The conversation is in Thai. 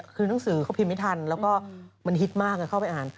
คือหนังสือเขาพิมพ์ไม่ทันแล้วก็มันฮิตมากเข้าไปอ่าน